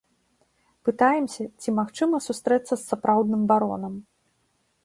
Пытаемся, ці магчыма сустрэцца з сапраўдным баронам.